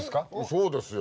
そうですよ。